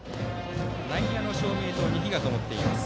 内野の照明塔に灯がともっています。